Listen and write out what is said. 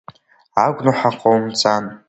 Агәнаҳа ҟоумҵан!